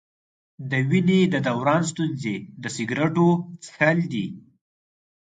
د وینې د دوران ستونزې د سګرټو څښل دي.